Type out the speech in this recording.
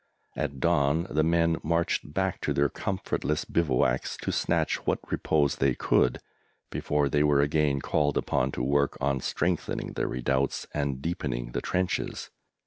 At dawn the men marched back to their comfortless bivouacs to snatch what repose they could before they were again called upon to work on strengthening the redoubts and deepening the trenches.